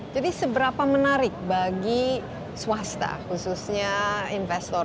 jadi seberapa menarik bagi swasta khususnya investor